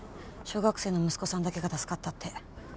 小学生の息子さんだけが助かったって。